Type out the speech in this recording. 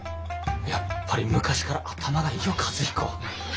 やっぱり昔から頭がいいよ和彦は。